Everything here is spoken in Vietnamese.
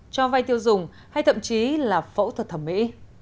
cho vay tiêu dùng hay thậm chí là phẫu thuật thẩm mỹ